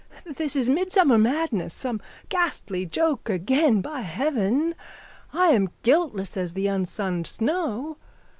_ This is midsummer madness, some ghastly joke again. By heaven, I am guiltless as the unsunned snow!